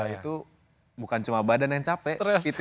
itu bukan cuma badan yang capek